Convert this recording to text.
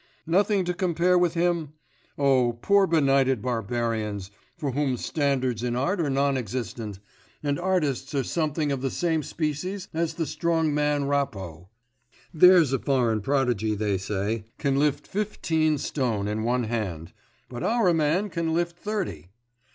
Nothing to compare with him? Oh, poor benighted barbarians, for whom standards in art are non existent, and artists are something of the same species as the strong man Rappo: there's a foreign prodigy, they say, can lift fifteen stone in one hand, but our man can lift thirty!